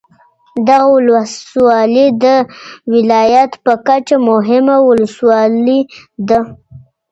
دغه ولسوالي د ولایت په کچه مهمه ولسوالي ده.